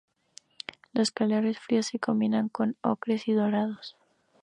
Los colores fríos se combinan con ocres y dorados.